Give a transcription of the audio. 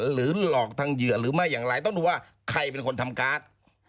หรือหลอกทางเหยื่อหรือไม่อย่างไรต้องดูว่าใครเป็นคนทำการ์ด